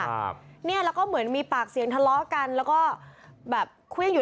ทีเลยอ่ะค่ะเนี่ยแล้วก็เหมือนมีปากเสียงทะเลาะกันแล้วก็แบบคุยอยู่